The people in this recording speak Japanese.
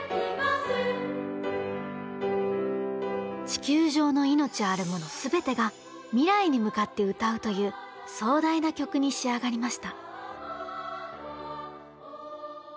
地球上の命あるもの全てが未来に向かって歌うという壮大な曲に仕上がりました。